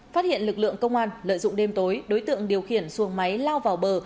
phát hiện lực lượng công an lợi dụng đêm tối đối tượng điều khiển xuồng máy lao vào bờ